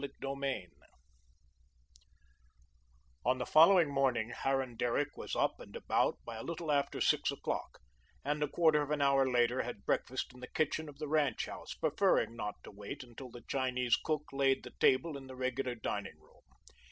CHAPTER II On the following morning, Harran Derrick was up and about by a little after six o'clock, and a quarter of an hour later had breakfast in the kitchen of the ranch house, preferring not to wait until the Chinese cook laid the table in the regular dining room.